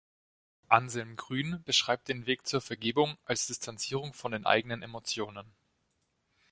Anselm Grün beschreibt den Weg zur Vergebung als Distanzierung von den eigenen Emotionen.